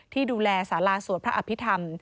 ที่ดูแลศาลาสวทธิ์พระอภิษฐรรม